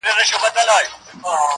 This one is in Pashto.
o تر خېښ، نس راپېش٫